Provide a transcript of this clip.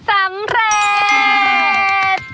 สำเร็จ